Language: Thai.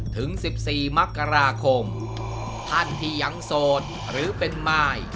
ถึง๑๔มกราคมท่านที่ยังโสดหรือเป็นมาย